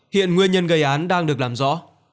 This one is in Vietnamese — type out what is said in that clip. hiện nguyên nhân gây án đang được làm rõ